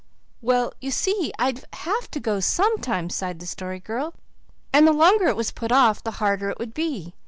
"Well, you see I'd have to go some time," sighed the Story Girl, "and the longer it was put off the harder it would be.